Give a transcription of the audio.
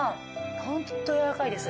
ホントやわらかいです。